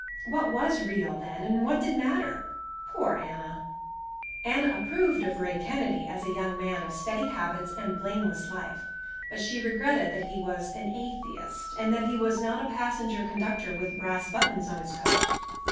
What was real, then, and what did matter? Poor Anna! Anna approved of Ray Kennedy as a young man of steady habits and blameless life, but she regretted that he was an atheist, and that he was not a passenger conductor with brass buttons on his coat.